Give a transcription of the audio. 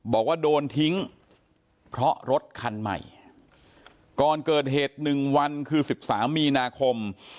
บอกว่าโดนทิ้งเพราะรถคันใหม่ก่อนเกิดเหตุ๑วันคือ๑๓มีนาคม